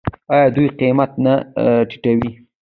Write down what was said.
آیا دوی قیمت نه ټیټوي؟